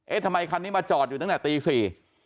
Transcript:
ทำไมคันนี้มาจอดอยู่ตั้งแต่ตีสี่